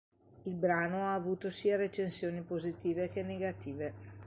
Il brano ha avuto sia recensioni positive che negative.